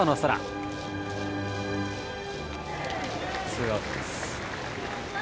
ツーアウトです。